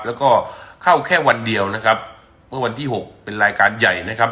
แล้วก็เข้าแค่วันเดียวนะครับเมื่อวันที่หกเป็นรายการใหญ่นะครับ